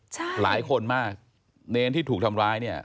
ใช่หลายคนมากเนรที่ถูกทำร้ายเนี่ย